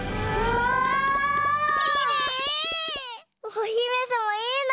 おひめさまいいな。